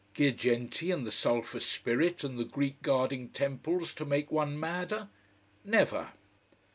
Girgenti, and the sulphur spirit and the Greek guarding temples, to make one madder? Never.